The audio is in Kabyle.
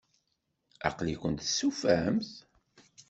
Aql-ikent testufamt?